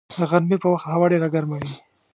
د غرمې په وخت هوا ډېره ګرمه وي